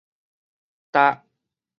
踏